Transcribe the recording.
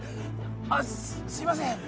あっすいません。